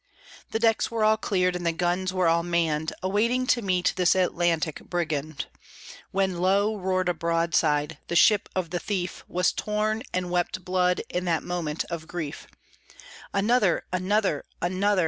The decks were all cleared, and the guns were all manned, Awaiting to meet this Atlantic brigand; When, lo! roared a broadside; the ship of the thief Was torn, and wept blood in that moment of grief. Another! another! another!